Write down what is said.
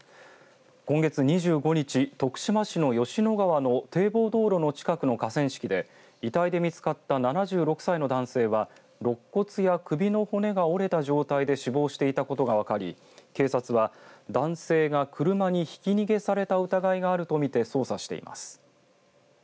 今月２５日、徳島市の吉野川の堤防道路の近くの河川敷で遺体で見つかった７６歳の男性はろっ骨や首の骨が折れた状態で死亡していたことが分かり警察は男性が車にひき逃げされた疑いがあると見て捜査しています。